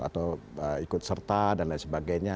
atau ikut serta dan lain sebagainya